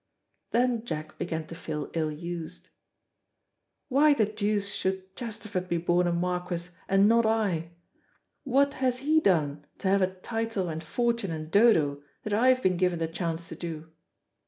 Then Jack began to feel ill used. "Why the deuce should Chesterford be born a marquis and not I? What has he done to have a title and fortune and Dodo that I have been given the chance to do?"